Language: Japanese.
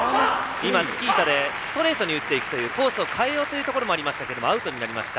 今、チキータでストレートに打っていくというコースを変えようというところがありましたがアウトになりました。